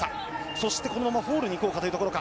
そして、このままフォールへ行こうというところか。